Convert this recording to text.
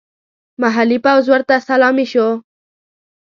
محلي پوځ ورته سلامي شو.